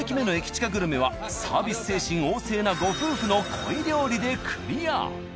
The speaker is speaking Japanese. チカグルメはサ―ビス精神旺盛なご夫婦の鯉料理でクリア。